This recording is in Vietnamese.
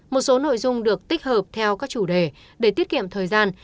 một số nội dung được tích hợp theo các chủ đề để tiết kiệm thời gian